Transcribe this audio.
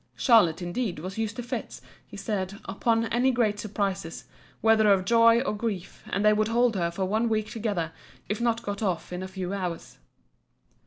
Charlotte, indeed, was used to fits, he said, upon any great surprises, whether of joy or grief; and they would hold her for one week together, if not got off in a few hours.